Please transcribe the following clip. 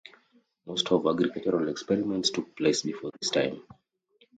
Most of her agricultural experiments took place before this time.